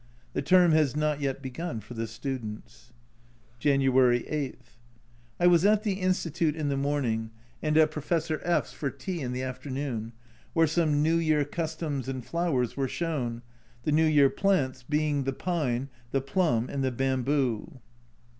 The term has not yet begun for the students. January 8. I was at the Institute in the morning, 88 A Journal from Japan and at Professor F 's for tea in the afternoon, where some New Year customs and flowers were shown, the New Year plants being the pine, the plum, and the bamboo.